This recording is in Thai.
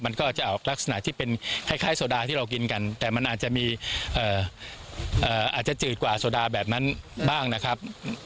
มันก็จะออกลักษณะที่เป็นคล้ายโซดาที่เรากินกันแต่มันอาจจะมีอาจจะจืดกว่าโซดาแบบนั้นบ้างนะครับ